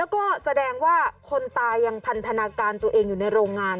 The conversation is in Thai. แล้วก็แสดงว่าคนตายยังพันธนาการตัวเองอยู่ในโรงงาน